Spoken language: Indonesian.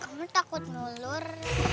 kamu takut ngelur